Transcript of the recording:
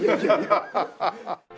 ハハハハハ。